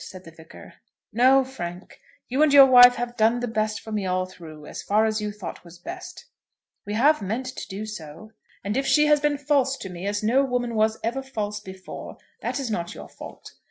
said the Vicar. "No, Frank. You and your wife have done the best for me all through, as far as you thought was best." "We have meant to do so." "And if she has been false to me as no woman was ever false before, that is not your fault.